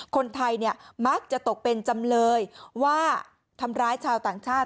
คนไทยเนี่ยมักจะตกเป็นจำเลยว่าทำร้ายชาวต่างชาติ